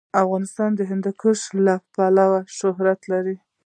افغانستان د هندوکش له امله شهرت لري.